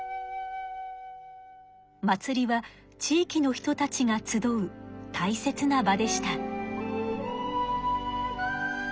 祭りは地域の人たちが集う大切な場でした。